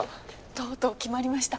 とうとう決まりました